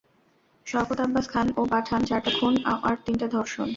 শওকত আব্বাস খাঁন, ও পাঠান, চারটা খুন আর তিনটা ধর্ষণ।